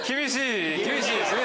厳しいですね。